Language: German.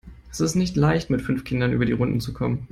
Es ist nicht leicht, mit fünf Kindern über die Runden zu kommen.